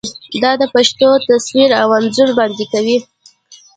دا د پېښو تصویر او انځور وړاندې کوي.